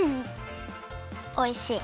おいしい。